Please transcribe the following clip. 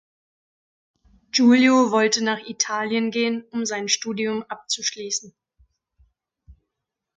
Giulio wollte nach Italien gehen um sein Studium abzuschließen.